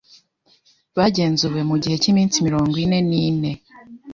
bagenzuwe mu gihe cy'iminsi mirongo ine nine